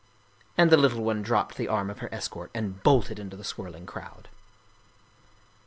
" And the little one dropped the arm of her escort and bolted into the swirling crowd.